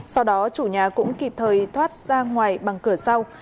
sau đó chủ nhà cũng kịp thời thoát ra ngoài bằng cửa sau